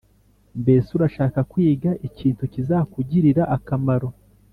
Mbese urashaka kwiga ikintu kizakugirira akamaro